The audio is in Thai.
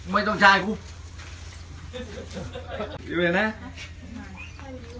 ไม่ต้องถ่ายกู